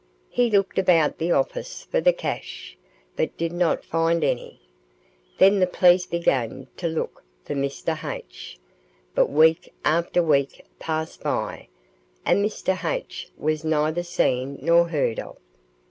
He looked about the office for the cash, but did not find any. Then the police began to look for Mr. H., but week after week passed by, and Mr. H. was neither seen nor heard of.